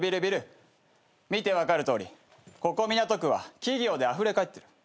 見て分かるとおりここ港区は企業であふれ返ってる。